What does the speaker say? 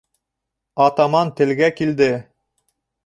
Атаман телгә килде: